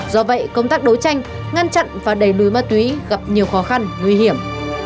do vậy công tác đấu tranh ngăn chặn và đẩy lùi ma túy gặp nhiều khó khăn nguy hiểm